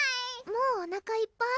もうおなかいっぱい？